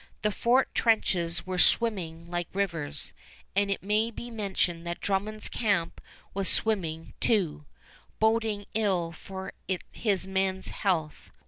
The fort trenches were swimming like rivers, and it may be mentioned that Drummond's camp was swimming too, boding ill for his men's health.